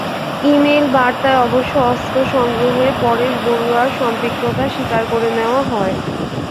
Email বার্তায় অবশ্য অস্ত্র সংগ্রহে পরেশ বড়ুয়ার সম্পৃক্ততা স্বীকার করে নেওয়া হয়।